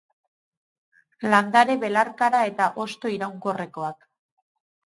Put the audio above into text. Landare belarkara eta hosto iraunkorrekoak.